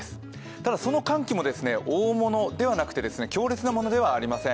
ただ、その寒気も大物ではなくて、強烈なものではありません。